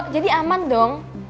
jadi aman dong